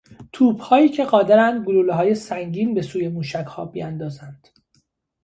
توپهایی که قادرند گلولههای سنگین به سوی موشکها بیاندازند